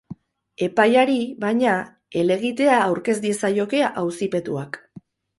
Epaiari, baina, helegitea aurkez diezaioke auzipetuak.